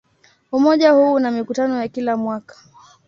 Umoja huu una mikutano ya kila mwaka.